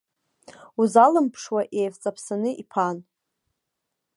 Узалымԥшуа еивҵаԥсаны иԥан.